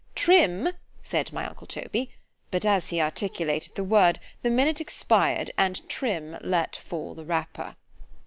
Trim! said my uncle Toby——but as he articulated the word, the minute expired, and Trim let fall the rapper.